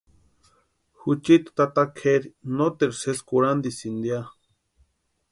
Juchiti tata kʼeri noteru sési kurhantisïnit ya.